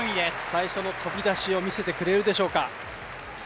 最初の飛び出しを見せてくれるでしょうか。